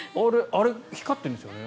あれ、光ってるんですよね。